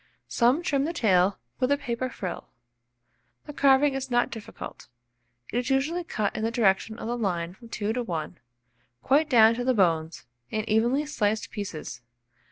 Some trim the tail with a paper frill. The carving is not difficult: it is usually cut in the direction of the line from 2 to 1, quite down to the bones, in evenly sliced pieces.